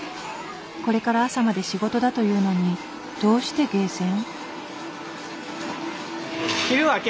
これから朝まで仕事だというのにどうしてゲーセン？